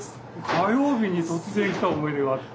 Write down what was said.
火曜日に突然来た思い出があって。